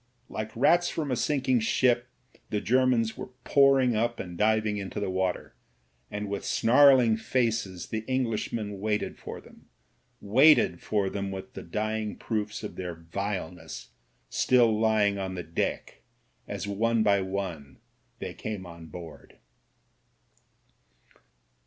Like rats from a sinking ship the Germans were pouring up and diving into the water, and with snarling faces the Englishmen waited for them, waited for them with the dying proofs of their vileness still lying on the deck as one by one they came on board.